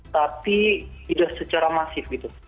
tapi sudah secara masif gitu